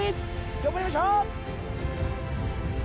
頑張りましょう。